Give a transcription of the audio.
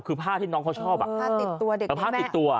คือผ้าที่น้องเขาชอบผ้าติดตัว